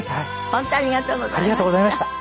本当ありがとうございました。